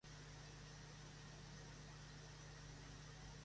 Tras esto Treize ordena que inicien el ataque contra Libra.